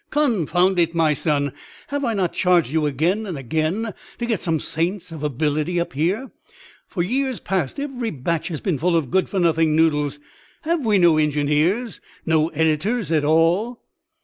"Confound it, my son, have I not charged you again and again to get some saints of ability up here? For years past every batch has been full of good for nothing noodles. Have we no engineers, no editors at all."